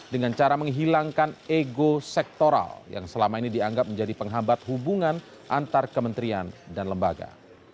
dengan cara menghilangkan ego sektoral yang selama ini dianggap menjadi penghambat hubungan antar kementerian dan lembaga